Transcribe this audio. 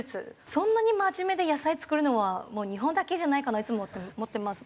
そんなに真面目で野菜作るのは日本だけじゃないかなといつも思ってます。